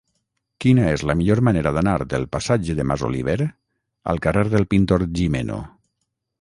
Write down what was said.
Quina és la millor manera d'anar del passatge de Masoliver al carrer del Pintor Gimeno?